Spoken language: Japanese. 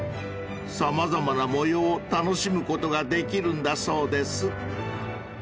［様々な模様を楽しむことができるんだそうです］